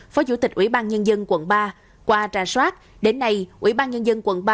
phó chủ tịch ủy ban nhân dân quận ba qua trà soát đến nay ủy ban nhân dân quận ba